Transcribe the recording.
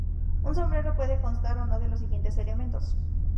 Un sombrero puede constar o no de los siguientes elementos.